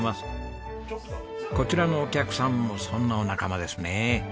こちらのお客さんもそんなお仲間ですね。